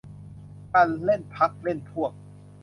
การเล่นพรรคเล่นพวก